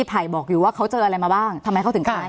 ไผ่บอกอยู่ว่าเขาเจออะไรมาบ้างทำไมเขาถึงขนาดนั้น